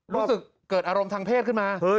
รู้สึกเกิดอารมณ์ทางเพศขึ้นมา